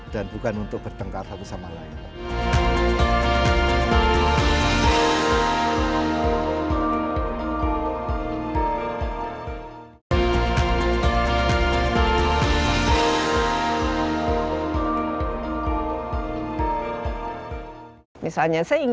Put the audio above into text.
dan bukan untuk bertengkar satu sama lain